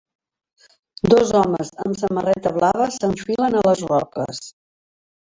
Dos homes amb samarreta blava s'enfilen a les roques.